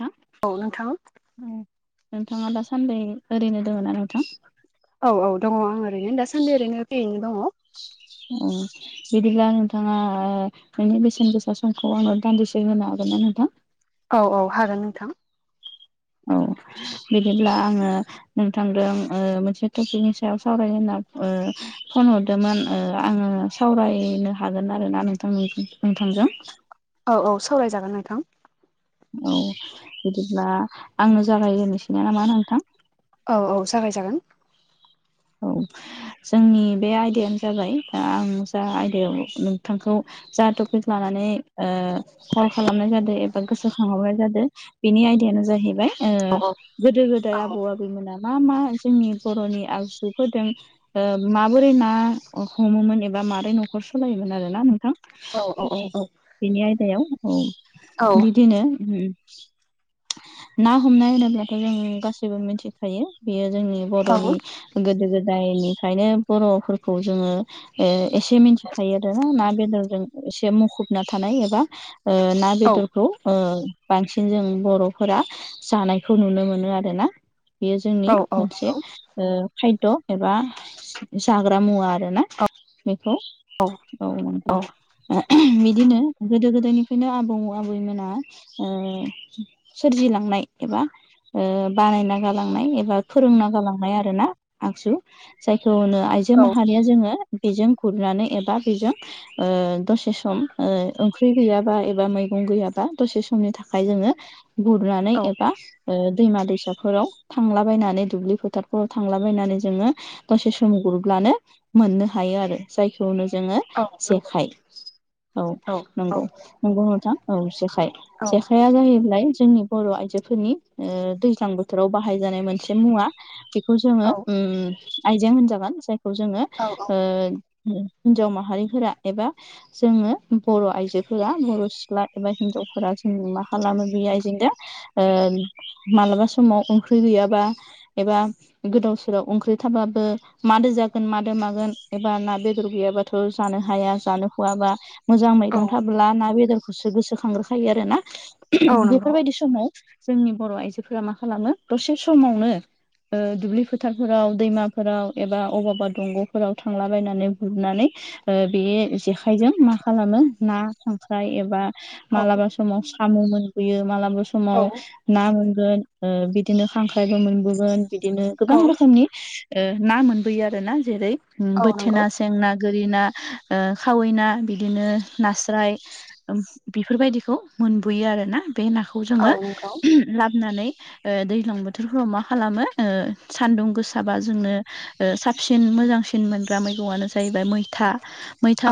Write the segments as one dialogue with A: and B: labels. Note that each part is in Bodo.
A: हा [inaudible]
B: औ नोंथां।
A: नोंथाङा दासान्दै ओरैनो दोङ ना नोंथां?
B: औ औ दङ आं ओरैनो दासान्दि ओरैनो फ्रियैनो दङ।
A: अ बिदिब्ला नोंथाङा ओ नोंनि बेसेन गोसा समखौ आंनो दान्दिसे होनो हागोन ना नोंथां?
B: औ औ हागोन नोंथां।
A: औ बिदिब्ला आङो नोंथांजों ओ मोनसे टपिकनि सायाव सावरायनो होनना ओ फन हरदोंमोन ओ आङो सावरायनो हागोन आरोना नोंथां नोंथांजों?
B: औ औ सावरायजागोन नोंथां।
A: औ बिदिब्ला आंनो जागाय जेननसैना नामा नोंथां?
B: औ औ जागायजागोन।
A: औ जोंनि बे आयदायानो जाबाय दा आं जा आयदायाव नोंथांखौ जा टपिक लानानै ओ कल खालामनाय जादों एबा गोसोखांहरनाय जादों। बिनि आयदायानो जाहैबाय गोदो गोदाय
B: औ
A: आबौ आबैमोना मा मा जोंनि बर'नि आग बेफोरजों माबोरै ना हमोमोन एबा माबारोरै न'खर सालायोमोन आरो ना नोंथां।
B: औ औ औ
A: बेनि आयदायाव औ बिदिनो ना हमनाय होनोब्लाथ' जों गासैबो मिथिखायो बेयो जोंनि
B: औ
A: बर'नि गोदो गोदायनिफ्रायनो बर'फोरखौ जोङो एसे मिथिखायो आरो ना ना बेदरजों एसे मुखुबना थानाय एबा ना बेदरखौ बांसिन जों बर'फोरा जानायखौ नुनो मोनो आरो ना? बेयो जोंनि
B: औ
A: मोनसे
B: नंगौ
A: खायद' एबा जाग्रा मुवा आरो ना
B: औ
A: बेखौ औ मोनगोन। [unintelligible] बिदिनो गोदो गोदायनिफ्रायनो आबौ आबैमोना ओ सोरजिलांनाय एबा ओ बानायना गालांनाय एबा फोरोंना गालांनाय आरो ना आगजु जायखौ आइजो माहारिया जोङो बेजों गुरनानै एबा बेजों ओ दसे सम ओ ओंख्रि गैयाबा एबा मैगं गैयाबा दसे समनि थाखाय जोङो गुरनानै
B: औ
A: एबा दैमा दैसाफोराव थांलाबायनानै दुब्लि फोथारफोराव थांला बायनानै जोङो दसे सम गुरब्लानो मोननो हायो आरो जायखौनो जोङो जेखाय औ
B: औ
A: नंगौ नंगौ नथां औ जेखाय जेखाय जेखाया जाहैबाय जोंनि बर' आइजोफोरनि दैज्लां बोथोराव बाहायजानाय मोनसे मुवा। बेखौ जोङो आइजें होनजागोन जायखौ जोङो
B: औ।
A: हिन्जाव माहारिफोरा एबा जोङो बर' आइजोफोरा बर' सिख्ला एबा हिनजावफोरा जों मा खालामो बे आइजेंनो मालाबा समाव ओंख्रि गैयाबा एबा गोदाव सेराव ओंख्रि थाबाबो मादो जागोन मादों मागोन एबा ना बेदर गैयाबाथ' जानो हाया जानो खहाबा मोजां मैगं थाब्ला ना बेदरखौसो गोसोखांग्रोखायो आरो ना
B: नंगौ
A: बेफोरबायदि समाव जोंनि बर' आइजोफोरा मा खालामो दसे समावनो दुब्लिफो फोथारफोराव दैमाफोराव एबा अबावबा दंग'फोराव थांलाबायनानै गुरनानै बे जेखाइजों मा खालामो ना खांख्राय एबा
B: औ
A: मालाबा समाव साम' मोनबोयो मालाबा समाव
B: औ
A: ना मोनगोन बिदिनो खांख्राइबो मोनबोगोन बिदिनो
B: औ औ
A: गोबां रोखोमनि ना मोनबोयो आरो ना जेरै बोथेनास सेंना गोरि ना खावै ना बिदिनो नास्राय बेफोरबायदिखौ मोनबोयो आरो ना बे नाखौ खौ
B: औ
A: जोङो
B: नंगौ
A: लाबोनानै दैज्लां बोथोरफ्राव मा खालामो? सान्दुं गोसाबा जोंनो साबसिन मोजांसिन मोनग्रा मैगंआनो जाहैबाय मैथा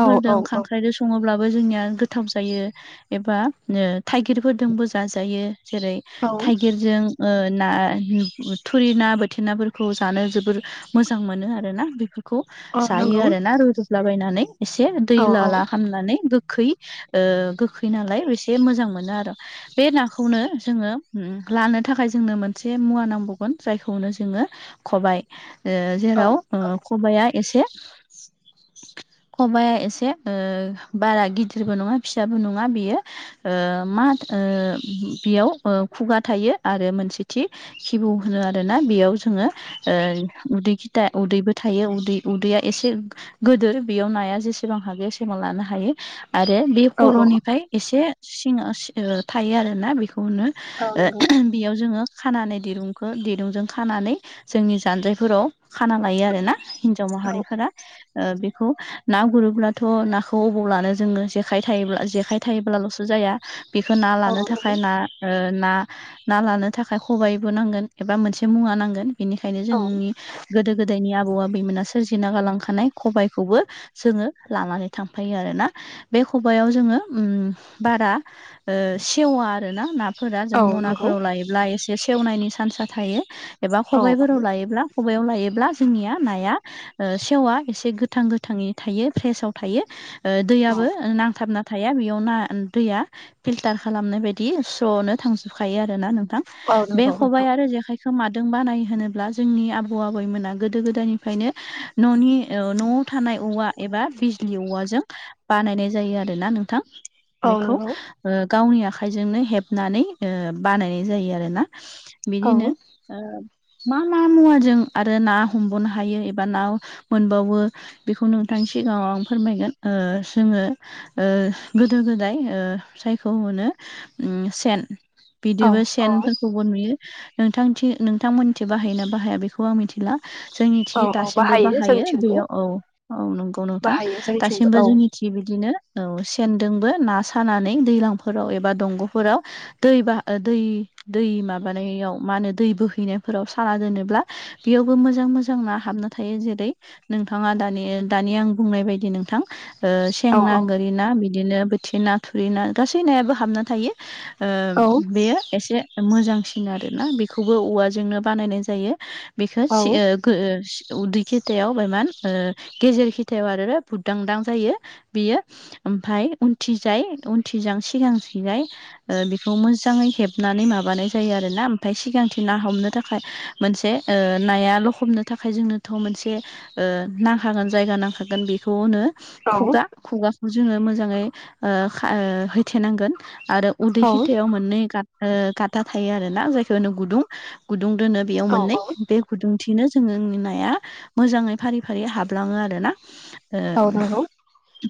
B: औ नंगौ औ नंगौ औ औ
A: खांख्राइजों सङोब्लाबो जोंनिया गोथाव जायो। एबा थाइगिरफोरजोंबो जाजायो जेरै थाइगिरजों ना थुरि ना बोर थेनाफोरखौ जानो जोबोर मोजां मोनो आरोना बेफोरखौ
B: औ
A: जायो
B: नंगौ
A: आरो ना लाबायनानै एसे दै
B: औ
A: लाला खामनानै गोखै गोखै नालाय एसे मोजां मोनो आरो बे नाखौनो जोङो लानो थाखाय जोंनो मोनसे मुवा नांबावगोन जायखौ नो जोङो खबाइ जेराव खबाइआ एसे खबाया एसे बारा गिदिरबो नङा फिसाबो नङा बेयो मा बेयाव खुगा थायो आरो मोनसे थि खिबु होनो आरो आरोना बेयाव जोङो उदैगिथा उदैबो थायो उदैया एसे गोदोर बेयाव नाया जेसेबां हागो एसेबां लानो हायो आरो बे
B: औ नंगौ औ
A: खर'निफ्राय एसे सिङा ओ थायो आरोना बेखौनो ओ बेयाव जोङो खानानै दिरुंखो दिरुंजों खानानै जोंनि जानजायफोराव खाना लायो आरो ना हिन्जाव माहारिफोरा ओ बे खौ ना गुरोब्लाथ' नाखौ अबाव लानो जोङो जेखाइ थायोब्ला जेखाइ थायोब्लाल'सो जाया। बेखौ ना लानो थाखाय ना ओ ना ना लानो थाखाय खबाय बो नांगोन। एबा मोनसे मुवा नांगोन बेनिखायनो जोंनि गोदो गोदायनि आबौ आबैमोना सोरजिना गालांखानाय खबाइखौबो जोङो लानानै थांफायो आरो ना बे खबायाव जोङो उम बारा ओ सेवा आरो ना नाफोरा जों
B: नंगौ
A: मनाफोराव लायोब्ला एसे सेवनायनि चान्सा थायो। एबा
B: औ औ
A: खबाइफोराव लायोब्ला खबाइयाव लायोब्ला जोंनिया नाया ओ सेवा एसे गोथां गोथाङै थायो फ्रेसाव थायो ओ
B: औ
A: दैयाबो नांथाबना थाया बेयाव ना दैया फिल्टार खालामनाय बायदि स्र'नो थांजोबखायो आरो ना नोंथां।
B: औ
A: बे
B: नंगौ
A: खबाइ
B: नोंथां
A: आरो जेख खाइखौ मादों बानायो होनोब्ला जोंनि आबौ आबैमोना गोदो गोदायनिफ्रायनो न'नि ओ न'आव थानाय औवा एबा बिजलि औवाजों बानायनाय जायो आरोना नोंथां
B: औ
A: बेखौ।
B: नंगौ
A: ओ गावनि आखाइजोंनो हेबनानै ओ बानायनाय जायो आरोना
B: औ
A: बिदिनो ओ मा मा मुवाजों आरो ना हमबावनो हायो एबा ना मोनबावो बेखौ नोंथांनि सिगाङाव आं फोरमायगोन ओ जोङो ओ गोदो गोदाय ओ सायखौ होनो उम सेन।
B: औ
A: बिदिबो
B: औ
A: सेनफोरखौबो नुयो नोंथांथि नोंथांमोननिथि बाहायोना बाहाया बेखौ आं मिथिला। जोंनि थि
B: औ औ
A: दासिमबो बाहायो
B: जोंनिथिंबो
A: बेयाव औ औ नंगौ नोंथां
B: बाहायो जोंनिथिंबो
A: दासिमबो
B: औ
A: जोंनि थि बिबायदिनो औ सेनदोंबो ना सानानै दैलांफोराव एबा दंग'फोराव दै बाह ओ दै दै माबानायाव। मा होनो दै बोहैनायफोराव साना दोनोब्ला बेयावबो मोजां मोजां ना हाबना थायो जेरै नोंथाङा दानि दानि आं बुंनाय बायदि नोंथां ओ सें
B: औ
A: ना गोरि ना बिदिनो बोथि ना थुरि ना गासै नायाबो हाबना थायो। ओ
B: औ
A: बेयो एसे मोजांसिन आरोना बेखौबो औवाजोंनो बानायनाय जायो। बेखो
B: औ
A: सि ओ गो उदै खिथायाव बायमान ओ गेजेर खिथायाव आरो रो बुदांदां जायो। बेयो ओमफाय उनथिजाय उनथिजों सिगां सिगाय ओ बेखौ मोजाङै हेबनानै माबानाय जायो आरो ना। ओमफाय सिगांथि ना हमनो थाखाय मोनसे ओ नाया ल'खबनो थाखाय जोंनोथ' मोनसे ओ नांखागोन जायगा नांखागोन बेखौ होनो खुगा खुगाखौ जोङो मोजाङै ओ खा ओ हैथेनांगोन आरो उदै
B: औ
A: खिथायाव मोननै गाथ ओ गाथा थायो आरोना जायखौ होनो गुदुं गुदुं दोनो बेयाव
B: औ
A: मोननै बे गुदुंथिंनो जोङो नि नाया मोजाङै फारि फारि हाबलाङो आरो ना।
B: औ
A: ओम
B: नंगौ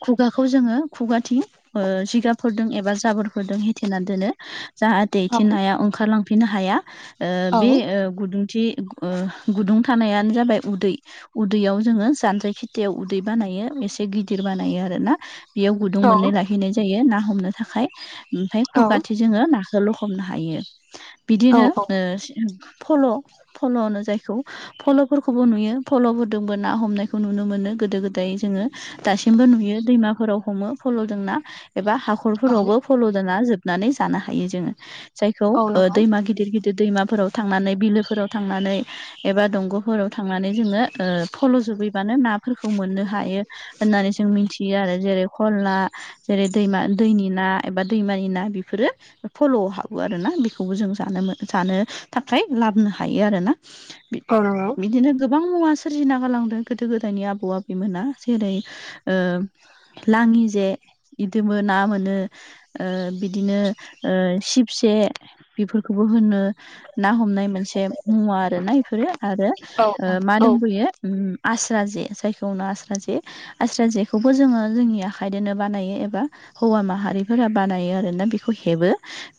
A: खुगाखौ जोङो खुगाथिं ओ जिगाबफोरदों एबा जाबोरफोरदों हे थेना दोनो जाहाथे
B: औ
A: थेनाया ओंखारलांफिनो हाया ओ
B: औ
A: बे ओ गुदुंथि ओ गुदुं थानायानो जाबाय उदै। उदैयाव जोङो जानजाय खिथायाव उदै बानायो एसे गिदिर बानायो आरो ना। बेयाव गुदुं मोननै लाहैनाय जायो ना हमनो थाखाय ओमफाय खुगाथि जोङो नाखो लखबनो हायो
B: औ
A: बिदिनो ओ फल' फल' होनो जायखौ फल'फोरखौबो नुयो फल'फोरदोंबो ना हमनायखौ नुनो मोनो गोदो गोदाय जोङो दासिमबो नुयो दैमाफोराव हमो फल'जों ना एबा हाख' खरफोरावबो फल'दाना जोबनानै जानो हायो जोङो। जायखौ
B: औ नंगौ
A: दिर गिदिर दैमाफोराव थांनानै बिलोफोराव थांनानै एबा दंग'फोराव थां थांनानै जोङो ओ फल' जोबहैबानो नाफोरखौ मोननो हायो। होननानै जों मोनथियो आरो जेरै खल ना जेरै दैमा दैनि ना एबा दैमानि ना बेफोरो फल'आव हाबो आरो ना। बिख खौबो जों जानो मो जानो थाखाय लाबोनो हायो आरोना। बिद
B: औ नंगौ
A: बिदिनो गोबां मुवा सोरजिना गालांदों गोदो गोदायनि आबौ आबै मोना। जेरै लाङि जे इदोबो ना मोनो। ओ बिदिनो सिबसे बेफोरखौबो होनो ना हमनाय मोनसे मुवा आरोना इफोरो। आरो
B: औ
A: ओ मा दंबोयो? उम आस्रा जे जायखौहोनो आस्रा जे आस्रा जेखौबो जोङो जोंनि आखायदोनो बानायो एबा हौवा माहारिफोरा बानायो आरोना बेखौ हेबो।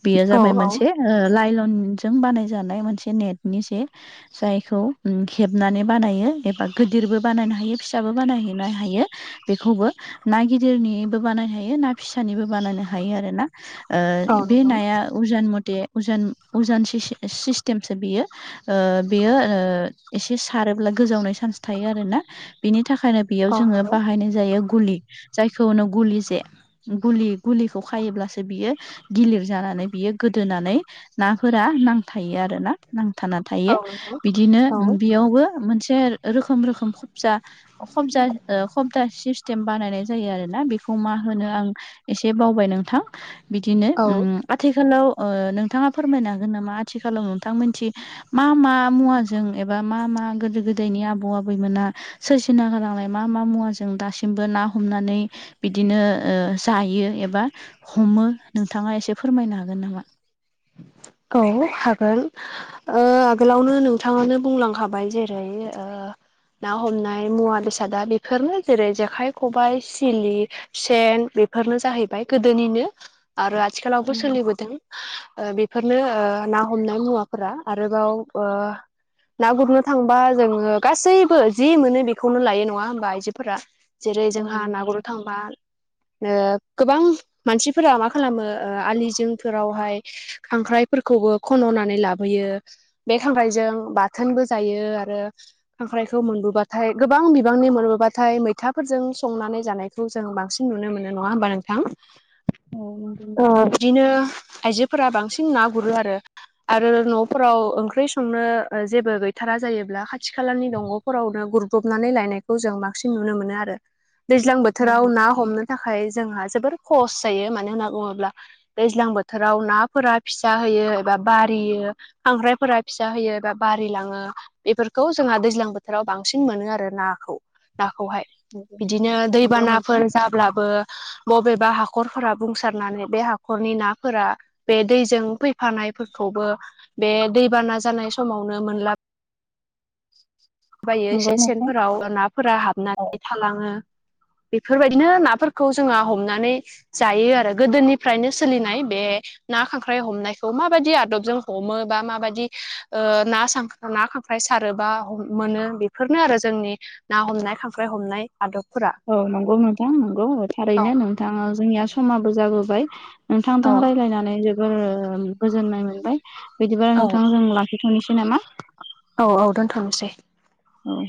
A: बेयो जाबाय
B: औ
A: मोनसे
B: औ
A: ओ लाइ लनजों बानाय जानाय मोनसे नेट नि जे‌ जायखौ उम हेबनानै बानायो एबा गोदिरबो बानायनो हायो फिसाबो बानायहोनो हायो। बेखौबो ना गिदिरनिबो बानायनो हायो, ना फिसानिबो बानायनो हायो आरो ना।
B: औ
A: ओ बे नाया उजोन मथे उजोन उजोन सिस-सिस्टेमसो बियो। ओ बेयो ओ एसे सारोब्ला गोजावनाय सान्स थायो आरोना। बिनि थाखायनो
B: औ
A: बेयाव
B: नंगौ औ नंगौ औ
A: जोङो बाहायनाय जायो गुलि जायखौनो गुलि जे। गुलि गुलिखौ खायोब्लासो बियो गिलिर जानानै बियो गोद दोनानै नाफोरा नांथायो आरो ना। नांथाना थायो।
B: नंगौ
A: बिदिनो बेयावबो मोनसे रोखोम रोखोम खबजा अ' खमजा ओ खबदा सिस थेम बानायनाय जायो आरोना। बेखौ मा होनो आं एसे बावबाय नोंथां। बिदिनो
B: औ
A: उम आथिखालाव ओ नोंथाङा फोरमायनो हागोन नामा आथिखालाव नोंथां मोनथि मा मा मुवाजों एबा मा मा गोदो गोदायनि आबौ आबैमोना सोरसिना गोलांनाय मा मा मुवा जों दासिमबो ना हमनानै बिदिनो ओ जायो एबा हमो नोंथाङा एसे फोरमायनो हागोन नामा?
B: औ हागोन। ओ गोलावनो नोंथाङानो बुंलांखाबाय जेरै ओ ना हमनाय मुवा बेसादा बेफोरनो जेरै जेखाय, खबाय, सिलि सेन बेफोरनो जाहैबाय गोदोनिनो आरो आथिखालावबो सोलिबोदों। ओ बेफोरनो ओ ना हमनाय मुवाफोरा आरोबाव ओ ना गुरनो थांबा जोङो गासैबो जि मोनो बेखौनो लायो नङा होमबा आइजोफोरा। जेरै
A: औ नंगौ
B: जोंहा ना गुरनो थांबा। ओ गोबां मानसिफोरा मा खालामो ओ आलि जिंफोरावहाय खांख्रायफोरखौबो खन'नानै लाबोयो। बे खांख्रायजों बाथोनबो जायो। आरो खांख्रायखौ मोनबोबाथाय गोबां बिबांनि मोनबोबाथाय मैथाफोरजों संनानै जानाय खौ जों बांसिन नुनो मोनो नङा होमबा नोंथां?
A: औ नंगौ
B: ओ
A: नोंथां
B: बिदिनो आइजोफोरा बांसिन ना गुरो आरो। आरो न' फोराव ओंख्रि संनो ओ जेबो गैथारा जायोब्ला खाथि खालानि दंग'फोरावनो गुर हबनानै लायनायखौ जों बांसिन नुनो मोनो आरो। दैज्लां
A: औ
B: बोथोराव ना हमनो थाखाय थाखाय जोंहा जोबोर खहस जायो। मानो होनना बुङोब्ला दैज्लां बोथोराव ना फोरा फिसा होयो एबा बारियो, खांख्रायफोरा फिसा होयो एबा बारिलाङो। एफोरखौ जोंहा दैज्लां बोथोराव बांसिन मोनो आरो नाखौ। नाखौहाय
A: नंगौ
B: बिदिनो
A: नंगौ नोंथां
B: दैबानाफोर जाब्लाबो मबेबा हाखरफोरा बुंसारनानै बे हाखरनि नाफोरा बे दैजों फैफानायफोरखौबो बे दैबाना जानाय समावनो मोनला बायो
A: नंगौ
B: एसे
A: नोंथां
B: सेनफोराव नाफोरा
A: औ
B: हाबनानै थालाङो बेफोरबायदिनो नाफोरखौ खौ जोंहा हमनानै जायो आरो गोदोनिफ्रायनो सोलिनाय बे ना खांख्राइ हमनायखौ माबायदि आदबजों हमो बा माबाददि ओ ना सा ना खांख्राय सारोबा मोनो बेफोरनो आरो जोंनि ना हमनाय खांख्राइ हमनाय। आदबफोरा।
A: औ नंगौ नोंथां नंगौ थारैनो नोंथाङा जोंनिया समाबो जाबोबाय।
B: औ
A: नोंथांजों रायज्लायनानै जोबोर गोजोननाय मोनबाय बिदिबा
B: औ
A: नोंथां जों ला दोनथनोसै नामा?
B: औ औ दोनथ'नोसै।
A: औ।